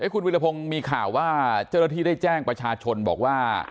คุณวิรพงศ์มีข่าวว่าเจ้าหน้าที่ได้แจ้งประชาชนบอกว่า